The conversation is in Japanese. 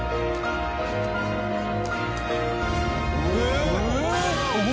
えっ！？